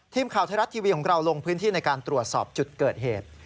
ทีมข่าวไทยรัฐทีวีของเราลงพื้นที่ในการตรวจสอบจุดเกิดเหตุ